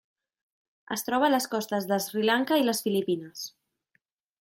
Es troba a les costes de Sri Lanka i les Filipines.